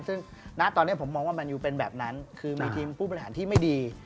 ซึ่งณตอนนี้ผมมองว่าแมนยูเป็นแบบนั้นคือมีทีมผู้บริหารที่ไม่ดี